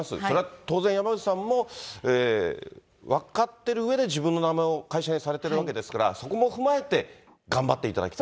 それは当然、山口さんも分かっているうえで自分の名前を会社にされてるわけですから、そこも踏まえて、頑張っていただきたい。